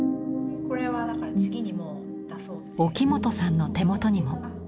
沖本さんの手元にも。